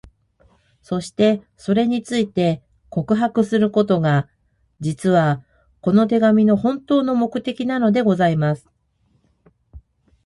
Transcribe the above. そして、それについて、告白することが、実は、この手紙の本当の目的なのでございます。